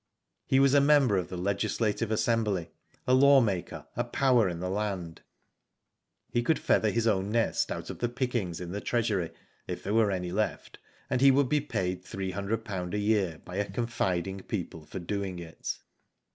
He was a member of the Legislative Assembly, a law maker, a power in the land. He could feather his own nest out of the pickings in the Treasury, if there were any left, and he would be paid £300 a year by a confiding people for doing it.